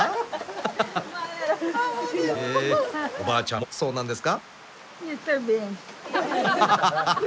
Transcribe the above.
へえおばあちゃんもそうなんですか？